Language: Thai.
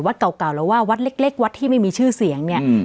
เก่าเก่าหรือว่าวัดเล็กเล็กวัดที่ไม่มีชื่อเสียงเนี่ย